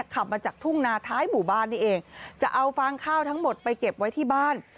ขับมาจากทุ่งนาท้ายหมู่บ้านนี่เองจะเอาฟางข้าวทั้งหมดไปเก็บไว้ที่บ้าน